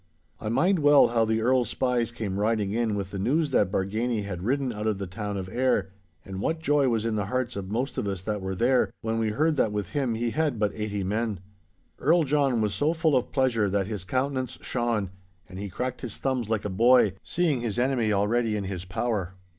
I mind well how the Earl's spies came riding in with the news that Bargany had ridden out of the town of Ayr, and what joy was in the hearts of most of us that were there, when we heard that with him he had but eighty men. Earl John was so full of pleasure that his countenance shone, and he cracked his thumbs like a boy, seeing his enemy already in his power.